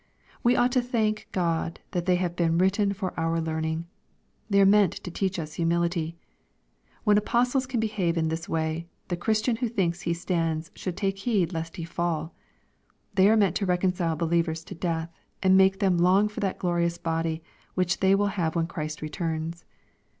We ought to thank God that they have been written for our learning. They are meant to teach us humility. When apostles C5an behave in this way, the Christian who thinks he stands should take heed lest he fall. They are meant to reconcile believers to death, and make them long for that glorious body which they will have when Christ returns.